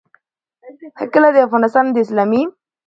هکله، د افغانستان د اسلامي